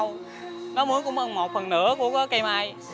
nó mướn cũng hơn một phần nửa của cây mai